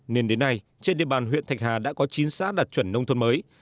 nên đến nay trên địa bàn huyện thạch hà đã có chín xã đạt chuẩn nông thôn mới